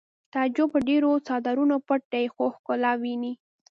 تعجب په ډېرو څادرونو پټ دی خو ښکلا ویني